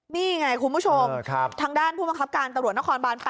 นี่ไงคุณผู้ชมทางด้านผู้บังคับการตำรวจนครบาน๘